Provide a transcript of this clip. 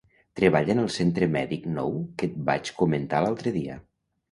Treballa en el centre mèdic nou que et vaig comentar l'altre dia.